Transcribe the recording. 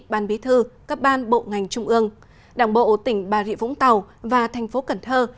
ban bí thư các ban bộ ngành trung ương đảng bộ tỉnh bà rịa vũng tàu và thành phố cần thơ